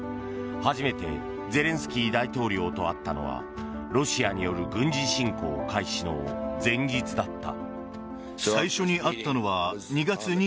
初めてゼレンスキー大統領と会ったのはロシアによる軍事侵攻開始の前日だった。